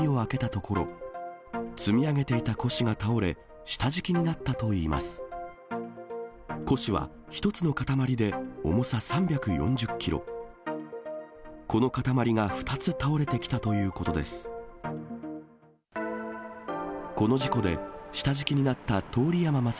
この塊が２つ倒れてきたということです。